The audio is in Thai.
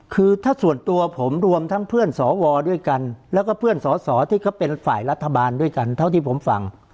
คือถ้าส่วนตัวผมรวมทั้งเพื่อนสวด้วยกันแล้วก็เพื่อนสอสอที่เขาเป็นฝ่ายรัฐบาลด้วยกันเท่าที่ผมฟัง